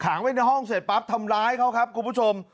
ไว้ในห้องเสร็จปั๊บทำร้ายเขาครับคุณผู้ชม